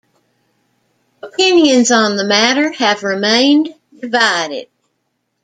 Opinions on the matter have remained divided.